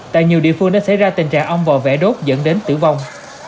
tại nhiều địa phương đã xảy ra tình trạng ong vò vẻ đốt dẫn đến tử vong